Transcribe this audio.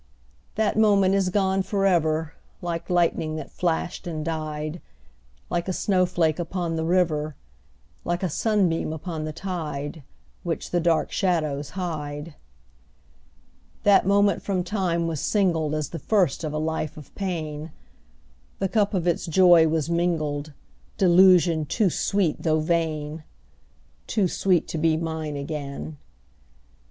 _5 2. That moment is gone for ever, Like lightning that flashed and died Like a snowflake upon the river Like a sunbeam upon the tide, Which the dark shadows hide. _10 3. That moment from time was singled As the first of a life of pain; The cup of its joy was mingled Delusion too sweet though vain! Too sweet to be mine again.